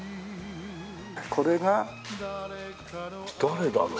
これが誰だろう？